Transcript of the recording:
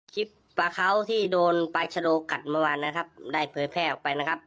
ปลาเขาที่โดนปลายชะโดกัดเมื่อวานนะครับได้เผยแพร่ออกไปนะครับ